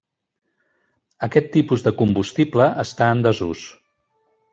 Aquest tipus de combustible està en desús.